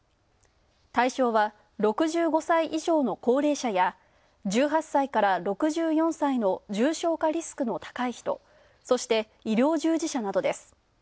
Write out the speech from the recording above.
対象は６５歳以上の高齢者や１８歳から６４歳の重症化リスクの高い人、そして、医療従事者などです。